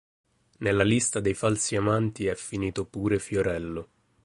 Nella lista dei falsi amanti è finito pure Fiorello.